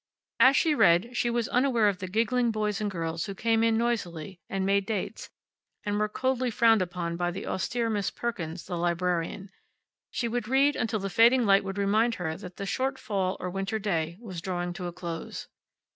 As she read she was unaware of the giggling boys and girls who came in noisily, and made dates, and were coldly frowned on by the austere Miss Perkins, the librarian. She would read until the fading light would remind her that the short fall or winter day was drawing to a close.